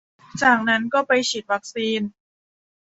จากนั้นก็ไปฉีดวัคซีน